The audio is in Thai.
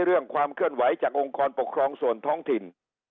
เรื่องความเคลื่อนไหวจากองค์กรปกครองส่วนท้องถิ่น